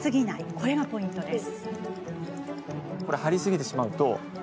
これがポイントです。